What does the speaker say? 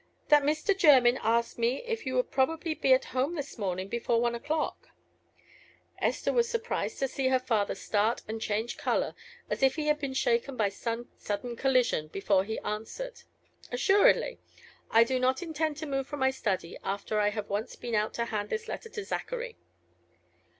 "That Mr. Jermyn asked me if you would probably be at home this morning before one o'clock." Esther was surprised to see her father start and change color as if he had been shaken by some sudden collision before he answered "Assuredly; I do not intend to move from my study after I have once been out to hand this letter to Zachary."